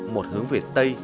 một hướng về tây